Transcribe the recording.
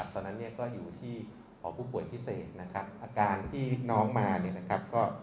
ตอนนั้นเนี่ยก็อยู่ที่หอผู้ป่วยพิเศษนะครับอาการที่น้องมาเนี่ยนะครับ